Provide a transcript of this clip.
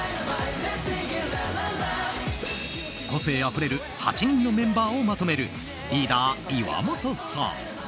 個性あふれる８人のメンバーをまとめるリーダー岩本さん。